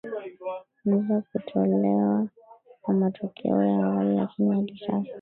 nza kutolewa kwa matokeo ya awali lakini hadi sasa